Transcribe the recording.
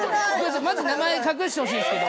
マジ名前隠してほしいんですけど。